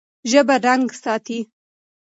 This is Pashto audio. ژبه رنګ ساتي.